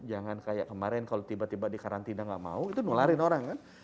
jangan kayak kemarin kalau tiba tiba di karantina nggak mau itu nularin orang kan